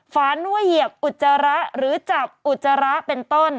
ฝันว่าเหยียบอุจจาระหรือจับอุจจาระเป็นต้น